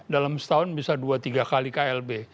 dalam setahun bisa dua tiga kali klb